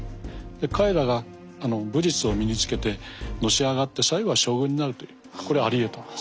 彼らが武術を身につけてのし上がって最後は将軍になるという。